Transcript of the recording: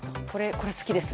これ、好きです。